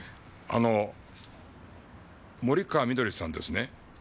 あの森川みどりさんですね？